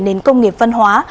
nền công nghiệp văn hóa